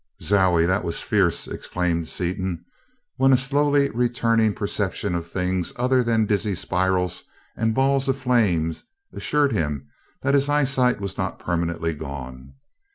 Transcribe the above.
"Zowie! That was fierce!" exclaimed Seaton, when a slowly returning perception of things other than dizzy spirals and balls of flame assured him that his eyesight was not permanently gone.